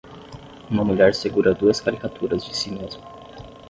Uma mulher segura duas caricaturas de si mesma.